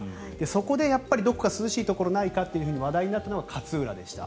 そこでどこか涼しいところがないかと話題になったのが勝浦でした。